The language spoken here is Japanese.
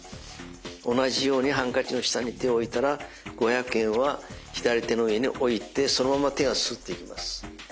同じようにハンカチの下に手を置いたら五百円は左手の上に置いてそのまま手がスッといきます。